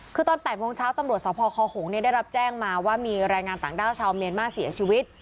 คือตอน๘โมงเช้าตำรวจสพคหงได้รับแจ้งมาว่ามีแรงงานต่างด้าวชาวเมียนมาเสียชีวิต